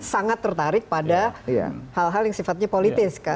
sangat tertarik pada hal hal yang sifatnya politis kan